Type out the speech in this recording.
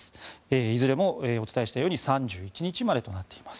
いずれもお伝えしたように３１日までとなっています。